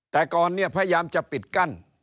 แต่ก่อนเนี่ยพยายามจะปิดกั้น